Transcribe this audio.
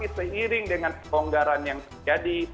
seiring dengan pelonggaran yang terjadi